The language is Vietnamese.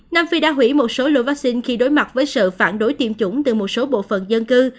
nam phi đã hủy một số lượng vắc xin khi đối mặt với sự phản đối tiêm chủng từ một số bộ phận dân cư